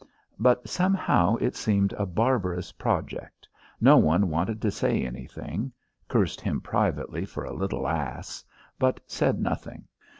But somehow it seemed a barbarous project no one wanted to say anything cursed him privately for a little ass, but said nothing.